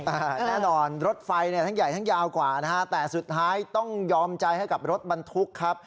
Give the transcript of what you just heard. แน่นอนรถไฟเนี่ยทั้งใหญ่ทั้งยาวกว่านะฮะแต่สุดท้ายต้องยอมใจให้กับรถบรรทุกครับ